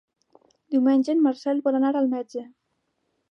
Diumenge en Marcel vol anar al metge.